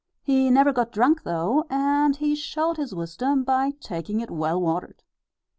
He never got drunk though, and he showed his wisdom by taking it well watered.